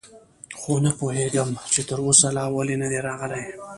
خو نه پوهېږم، چې تراوسه لا ولې نه دي راغلي.